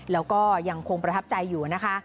แล้วก็ยังคงประทับใจอยู่นะคะ